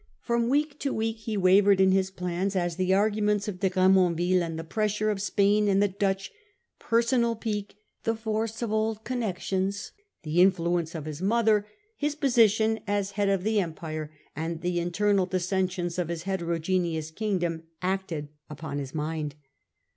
From week to week he wavered in his plans as the arguments of De Gremon ville, the pressure of Spain and the Dutch, personal pique, the force of old connections, the influence of his mother, his position as head of the Empire, and the in 1670. Treaty with Leopold, 191 ternal dissensions of its heterogeneous kingdom, acted upon his mind.